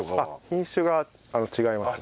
品種が違います。